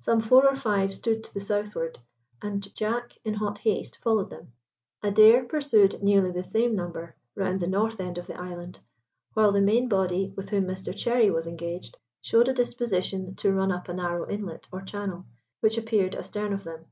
Some four or five stood to the southward, and Jack in hot haste followed them. Adair pursued nearly the same number round the north end of the island, while the main body, with whom Mr Cherry was engaged, showed a disposition to run up a narrow inlet or channel, which appeared astern of them.